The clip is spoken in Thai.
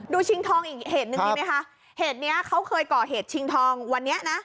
ชิงทองอีกเหตุหนึ่งดีไหมคะเหตุเนี้ยเขาเคยก่อเหตุชิงทองวันนี้นะ